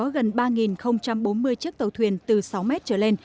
tỉnh quảng nam hiện có gần ba bốn mươi chiếc tàu thuyền từ sáu mét trở lên